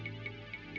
ya itu orangnya